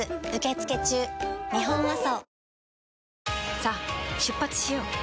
さあ出発しよう。